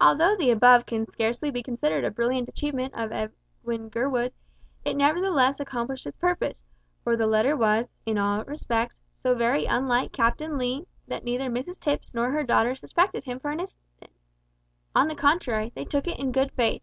Although the above can scarcely be considered a brilliant achievement of Edwin Gurwood, it nevertheless accomplished its purpose; for the letter was, in all respects, so very unlike Captain Lee, that neither Mrs Tipps nor her daughter suspected him for an instant. On the contrary, they took it in good faith.